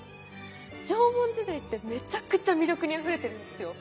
縄文時代ってめちゃくちゃ魅力にあふれてるんですよ。